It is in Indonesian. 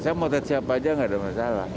saya motret siapa aja enggak ada masalah